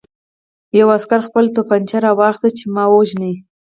یوه عسکر خپله توپانچه را وویسته چې ما ووژني